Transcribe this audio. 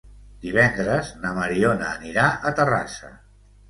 Divendres na Mariona anirà a Terrassa.